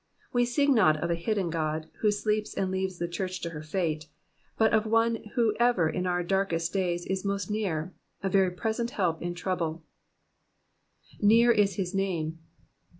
We sing not of a hidden God, who sleeps and leaves the church to her fate, but of one who ever in our darkest days is most near, a very present help in trouble, *' Near is his name."